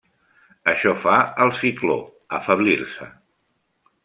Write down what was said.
Això fa el cicló afeblir-se.